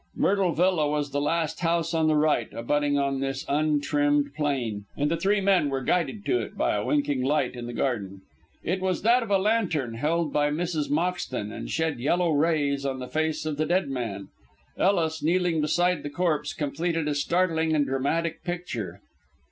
Myrtle Villa was the last house on the right abutting on this untrimmed plain; and the three men were guided to it by a winking light in the garden. It was that of a lantern held by Mrs. Moxton, and shed yellow rays on the face of the dead man. Ellis, kneeling beside the corpse, completed a startling and dramatic picture.